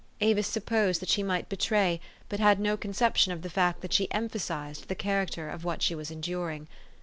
Avis supposed that she might betray, but had no conception of the fact that she emphasized, the character of what she was en during.